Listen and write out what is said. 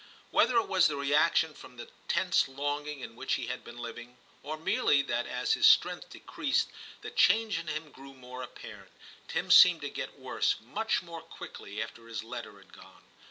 Whether it was the reaction from the tense longing in which he had been living, or merely that as his strength decreased the change in him grew more apparent, Tim seemed to get worse much more quickly after his letter had gone.